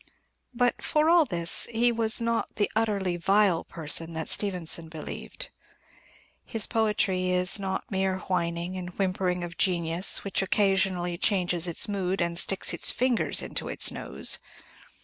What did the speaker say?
But, for all this, he was not the utterly vile person that Stevenson believed. His poetry is not mere whining and whimpering of genius which occasionally changes its mood and sticks its fingers to its nose.